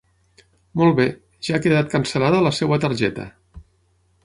Molt bé, ja ha quedat cancel·lada la seva targeta.